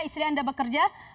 istri anda bekerja